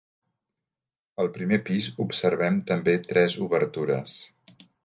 Al primer pis observem també tres obertures.